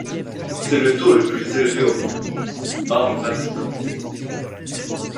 C'est le taux le plus élevé au monde - hors Vatican.